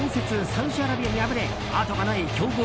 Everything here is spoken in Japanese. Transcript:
サウジアラビアに敗れ後がない強豪